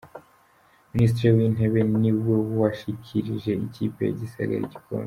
Minisitiri w’Intebe niwe washyikirije ikipe ya Gisagara igikombe.